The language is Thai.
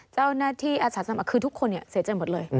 เจ้าหน้าที่อาศักดิ์สรรค์คือทุกคนเสียจริงหมดเลย